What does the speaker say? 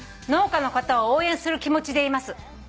「農家の方を応援する気持ちでいます」